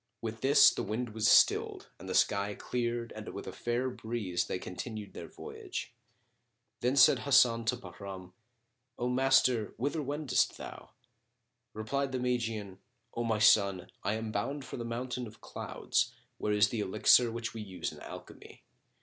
With this the wind was stilled and the sky cleared and with a fair breeze they continued their voyage. Then said Hasan to Bahram, "O Master,[FN#29] whither wendest thou?" Replied the Magian, "O my son, I am bound for the Mountain of Clouds, where is the Elixir which we use in alchemy."